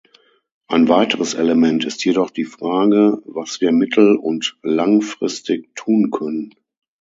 Ein weiteres Element ist jedoch die Frage, was wir mittel- und langfristig tun können.